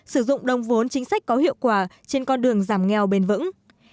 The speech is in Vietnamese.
sử dụng đồng vốn chính sách có hiệu quả trên con đường giảm nghèo bền vững